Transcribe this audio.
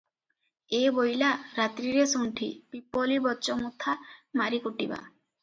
'ଏ ବୋଇଲା, ରାତ୍ରିରେ ଶୁଣ୍ଠି, ପିପ୍ପଳି ବଚ ମୁଥା ମାରି କୁଟିବା ।"